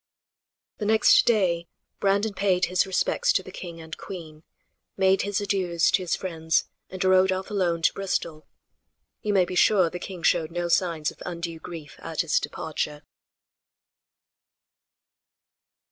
The next day Brandon paid his respects to the king and queen, made his adieus to his friends and rode off alone to Bristol. You may be sure the king showed no signs of undue grief at his departure.